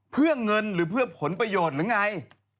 เพื่อเงินหรือผลประโยชน์ละไง